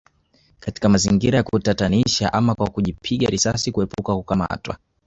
Katika mazingira ya kutatanisha ama kwa kujipiga risasi kuepuka kukamatwa